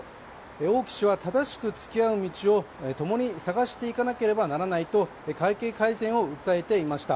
王毅氏は正しくつきあう道をともに探していかなければならないと関係改善を訴えていました。